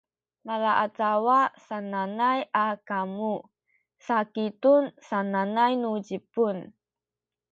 malaacawa sananay a kamu sa “kikung” sananay nu Zipun